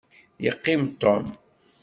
Yeqqim Tom.